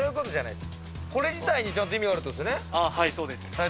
これ自体にちゃんと意味があるということですよね。